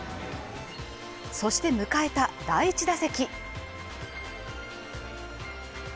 そして迎えた第１打席。